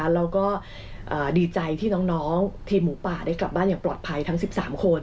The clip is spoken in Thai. แล้วก็ดีใจที่น้องทีมหมูป่าได้กลับบ้านอย่างปลอดภัยทั้ง๑๓คน